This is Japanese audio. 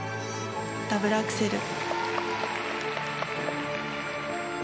ダブルアクセル。